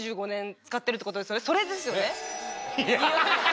それですよね？